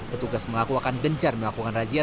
petugas melakukan gencar melakukan razia